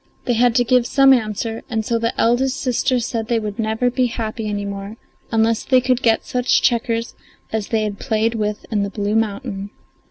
They had to give some answer, and so the eldest sister said they never would be happy any more unless they could get such checkers as they had played with in the blue mountain.